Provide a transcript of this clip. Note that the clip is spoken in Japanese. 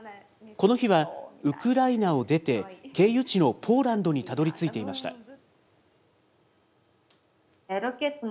この日は、ウクライナを出て経由地のポーランドにたどりついていました。